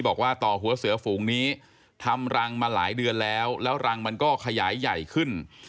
บอกว่าต่อหัวเสือฝูงนี้ทำรังมาหลายเดือนแล้วแล้วรังมันก็ขยายใหญ่ขึ้น